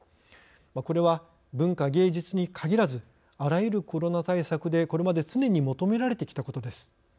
これは文化芸術に限らずあらゆるコロナ対策でこれまで常に求められてきたことです。